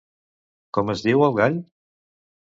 Com es diu el gall?